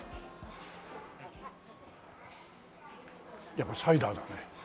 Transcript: やっぱサイダーだね。